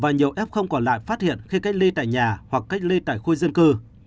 và nhiều f còn lại phát hiện khi cách ly tại nhà hoặc cách ly tại khu dân cư